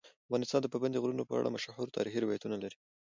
افغانستان د پابندي غرونو په اړه مشهور تاریخی روایتونه لري.